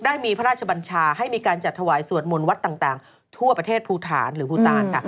ได้มีพระราชบัญชาให้มีการจัดถวายสวดมนต์วัดต่างทั่วประเทศภูฐานหรือภูตานค่ะ